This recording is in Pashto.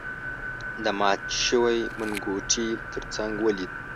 د مات شوی منګوټي تر څنګ ولید.